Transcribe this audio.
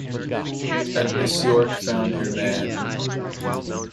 At Miss York found her man.